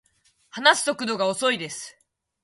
話す速度が遅いです